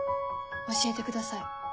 教えてください。